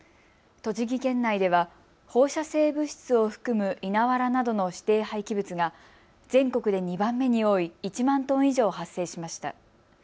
栃木県内では放射性物質を含む稲わらなどの指定廃棄物が全国で２番目に多い１万トン以上発生しました。